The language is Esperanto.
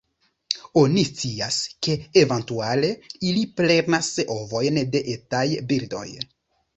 Oni scias, ke eventuale ili prenas ovojn de etaj birdoj.